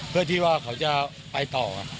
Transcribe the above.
เพื่อที่ว่าเขาจะไปต่อ